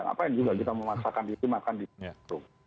ngapain juga kita memasakkan di sini makan di warung